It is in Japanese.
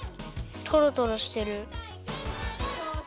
とろとろしてる。